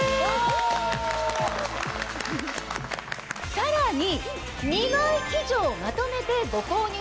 さらに。